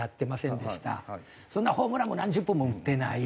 そんなホームランも何十本も打ってない。